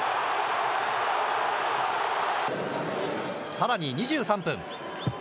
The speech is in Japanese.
さらに２３分。